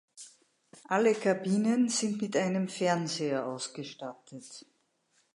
Alle Kabinen sind mit einem Fernseher ausgestattet.